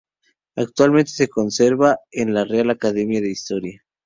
Actualmente se conserva en la Real Academia de Historia.